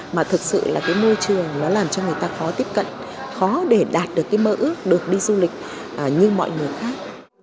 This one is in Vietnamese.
mà thực sự là cái môi trường nó làm cho người ta khó tiếp cận khó để đạt được cái mơ ước được đi du lịch như mọi người khác